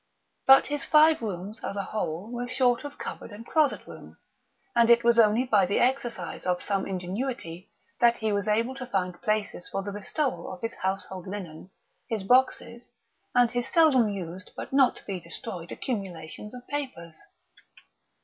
But his five rooms, as a whole, were short of cupboard and closet room; and it was only by the exercise of some ingenuity that he was able to find places for the bestowal of his household linen, his boxes, and his seldom used but not to be destroyed accumulations of papers.